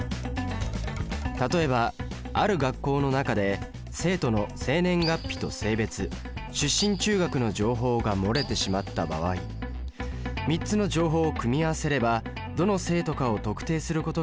例えばある学校の中で生徒の生年月日と性別出身中学の情報が漏れてしまった場合３つの情報を組み合わせればどの生徒かを特定することができますよね。